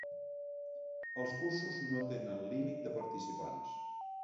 Els cursos no tenen límit de participants.